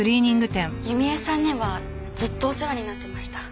弓江さんにはずっとお世話になってました。